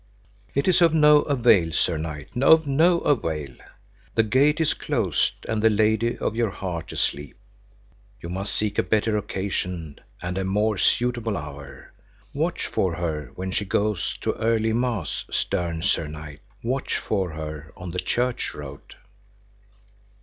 It is of no avail, Sir Knight, of no avail! The gate is closed, and the lady of your heart asleep. You must seek a better occasion and a more suitable hour. Watch for her when she goes to early mass, stern Sir Knight, watch for her on the church road!